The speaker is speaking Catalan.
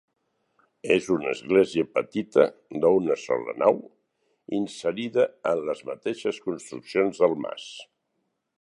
És una església petita, d'una sola nau, inserida en les mateixes construccions del mas.